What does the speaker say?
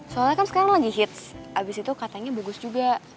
soalnya kan sekarang lagi hits abis itu katanya bagus juga